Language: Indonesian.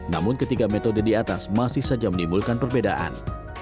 namun ketiga metode di atas masih saja menimbulkan perbedaan